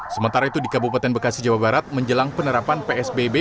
sementara itu di kabupaten bekasi jawa barat menjelang penerapan psbb